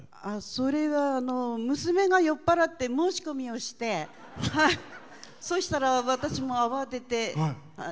それは、娘が酔っ払って申し込みをしてそしたら私も慌てて。